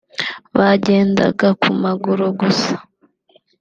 Bagendaga ku maguru gusa